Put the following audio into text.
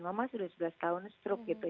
memang sudah sebelas tahun stroke gitu